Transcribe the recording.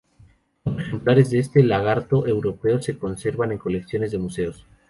Cuatro ejemplares de este lagarto europeo se conservan en colecciones de museos.